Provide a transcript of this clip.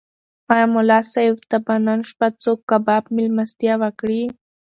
ایا ملا صاحب ته به نن شپه څوک کباب مېلمستیا وکړي؟